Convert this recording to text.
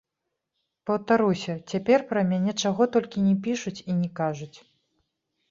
Паўтаруся, цяпер пра мяне чаго толькі не пішуць і не кажуць.